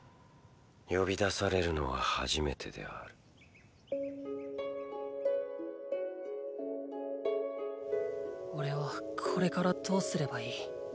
呼び出されるのは初めてであるおれはこれからどうすればいい。